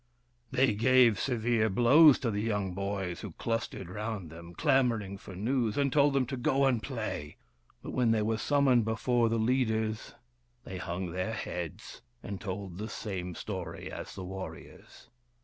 They gave severe blows to the young boys who clustered round them, clamour ing for news, and told them to go and play. But when they were summoned before the leaders, they hung their heads and told the same story as the warriors.